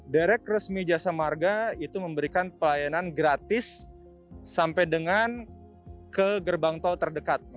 derek resmi jasa marga itu memberikan pelayanan gratis sampai dengan ke gerbang tol terdekat